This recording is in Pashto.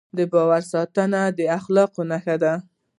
د باور ساتل د اخلاقو نښه ده.